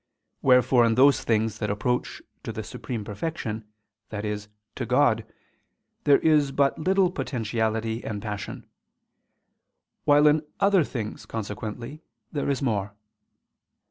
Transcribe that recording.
Wherefore in those things that approach to the Supreme Perfection, i.e. to God, there is but little potentiality and passion: while in other things, consequently, there is more.